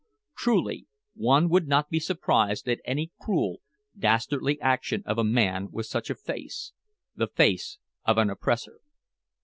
Truly one would not be surprised at any cruel, dastardly action of a man with such a face the face of an oppressor.